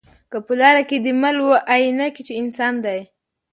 که په لاره کی دي مل وو آیینه کي چي انسان دی